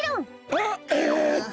あっえっと。